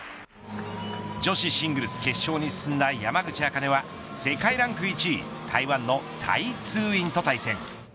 女子シングルス決勝に進んだ山口茜は世界ランク１位、台湾のタイ・ツーインと対戦。